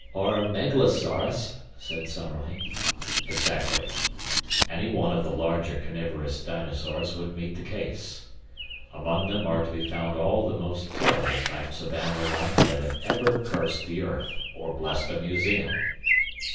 "Or megalosaurus," said Summerlee. "Exactly. Any one of the larger carnivorous dinosaurs would meet the case. Among them are to be found all the most terrible types of animal life that have ever cursed the earth or blessed a museum."